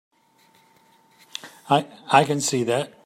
I can see that.